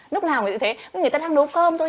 lúc nào người ta thế người ta đang nấu cơm thôi